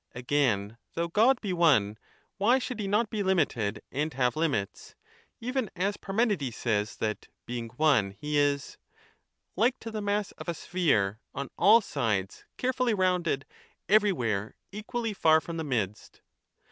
Again though God be One, why should he not be limited and have . limits ? even as Parmenides says that, being One, he is Like to the mass of a sphere on all sides carefully rounded Everywhere equally far from the midst.